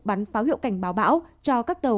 bắn pháo hiệu cảnh báo bão cho các tàu